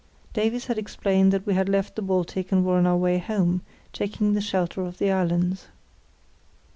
Davies had explained that we had left the Baltic and were on our way home; taking the shelter of the islands.